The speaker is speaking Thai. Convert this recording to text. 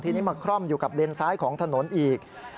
ทีนี้มาคร่อมอยู่กับเลนซ้ายของถนนอีก